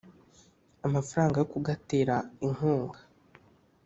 amafaranga yo kugatera inkunga